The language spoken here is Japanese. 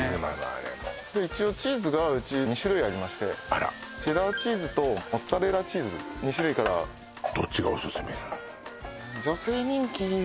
あれ一応チーズがうち２種類ありましてチェダーチーズとモッツァレラチーズ２種類からどっちがオススメなの？